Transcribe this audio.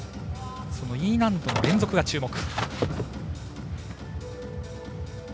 そのＥ難度の連続に注目。